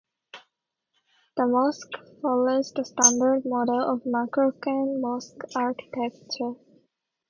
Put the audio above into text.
The mosque follows the standard model of Moroccan mosque architecture.